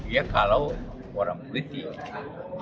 ya kalau orang politik